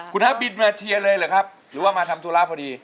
คุณฮะบินมาเชียร์เลยเหรอครับหรือว่ามาทำธุระพอดี